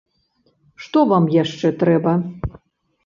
Што вам яшчэ трэба?